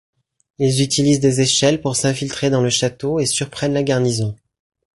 Ils utilisent des échelles pour s'infiltrer dans le château et surprennent la garnison.